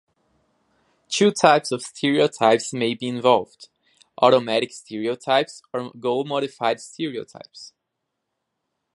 Two types of stereotypes may be involved, automatic stereotypes or goal modified stereotypes.